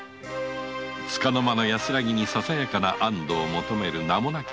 つかの間の安らぎにささやかな安どを求める名もなき人々のために。